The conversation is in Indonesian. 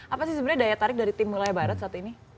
apa sih sebenarnya daya tarik dari tim mulai barat saat ini